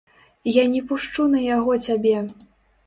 Я не пушчу на яго цябе!